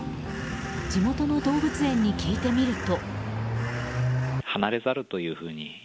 地元の動物園に聞いてみると。